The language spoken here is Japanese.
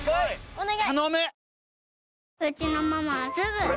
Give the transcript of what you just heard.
お願い！